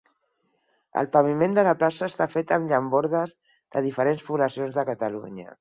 El paviment de la Plaça està fet amb llambordes de diferents poblacions de Catalunya.